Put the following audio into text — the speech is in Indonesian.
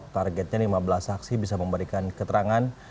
targetnya lima belas saksi bisa memberikan keterangan